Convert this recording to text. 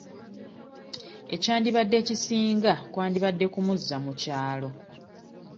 Ekyandibadde kisinga kwandibadde kumuzza mu kyalo.